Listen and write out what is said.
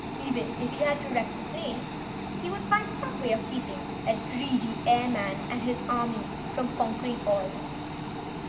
Even if he had to wreck the plane, he would find some way to keep the greedy airman and his legions from conquering Oz.